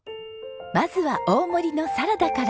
まずは大盛りのサラダから。